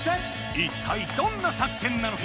一体どんな作戦なのか？